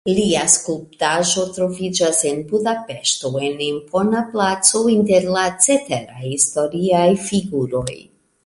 Lia skulptaĵo troviĝas en Budapeŝto en impona placo inter la ceteraj historiaj figuroj.